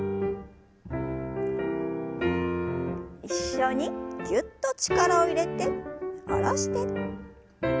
一緒にぎゅっと力を入れて下ろして。